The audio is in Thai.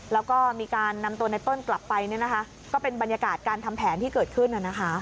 แล้วก็มีการนำตัวในต้นกลับไปก็เป็นบรรยากาศการทำแผนที่เกิดขึ้น